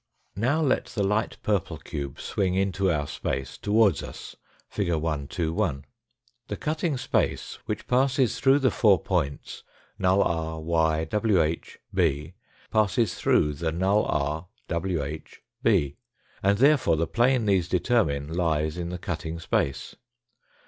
Now let the light purple cube swing into our space, towards us, fig. 121.' The cutting space which passes through the four points, null r, y, wh, b, passes through the null r, wh, b, and there fore the plane these determine lies in the cutting space.